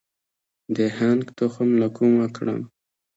د هنګ تخم له کومه کړم؟